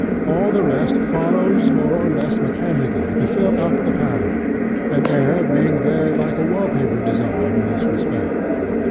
All the rest follows more or less mechanically to fill up the pattern, an air being very like a wall paper design in this respect.